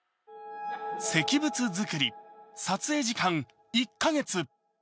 石仏作り、撮影時間１か月。